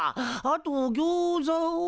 あと餃子を。